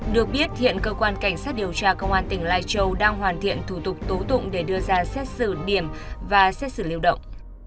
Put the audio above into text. được biết hiện cơ quan cảnh sát điều tra công an tỉnh lai châu đang hoàn thiện thủ tục tố tụng để đưa ra xét xử điểm và xét xử lưu động